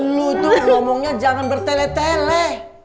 nu itu ngomongnya jangan bertele tele